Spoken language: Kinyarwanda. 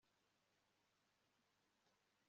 ubutarya burinanura